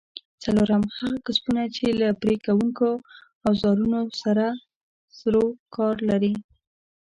څلورم: هغه کسبونه چې له پرې کوونکو اوزارونو سره سرو کار لري؟